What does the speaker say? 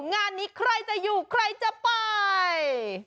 งานนี้ใครจะอยู่ใครจะไป